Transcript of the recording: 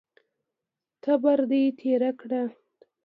تبر دې تېره کړه!